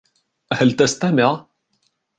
هل تستمع؟